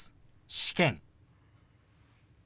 「試験」。